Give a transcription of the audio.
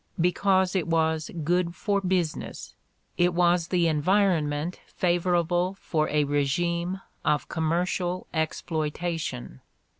Because it was "good for business"; it was the environment favorable for a regime of commercial exploitation.